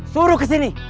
suruh ke sini